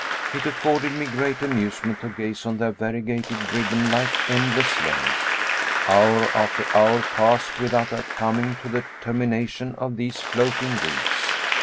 It afforded me great amusement to gaze on their variegated ribbon like endless lengths. Hour after hour passed without our coming to the termination of these floating weeds.